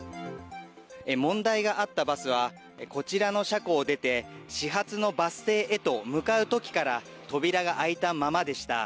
問題があったバスは、こちらの車庫を出て、始発のバス停へと向かうときから扉が開いたままでした。